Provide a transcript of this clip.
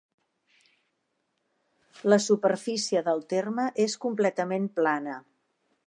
La superfície del terme és completament plana.